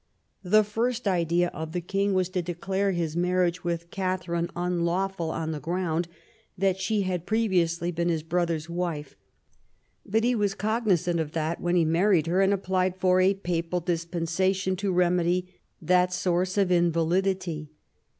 The first idea of the king was to declare his marriage with Katharine unlawful, on the ground that she had previously been his brother's wife ; but he was cognisant of that when he married her and had applied for a papal dispensation to remedy that source of invalidity.